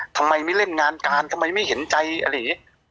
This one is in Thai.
ทำไมไม่เล่นงานการทำไมไม่เห็นใจอะไรอย่างนี้